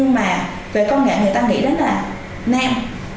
mọi người ta nghĩ đến là nam